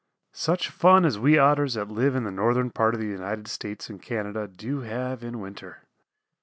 Such fun as we Otters that live in the Northern part of the United States and Canada do have in winter.